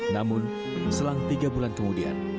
namun selang tiga bulan kemudian